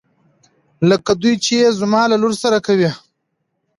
لکه دوی چې يې زما له لور سره کوي.